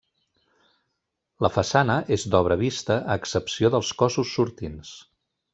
La façana és d'obra vista a excepció dels cossos sortints.